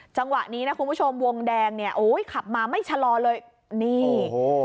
จังหวะนี้นะคุณผู้ชมวงแดงเนี่ยโอ้ยขับมาไม่ชะลอเลยนี่โอ้